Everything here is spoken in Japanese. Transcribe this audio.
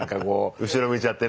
後ろ向いちゃってね。